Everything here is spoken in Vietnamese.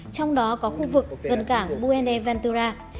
trong đó có khu vực gần cảng buende ventura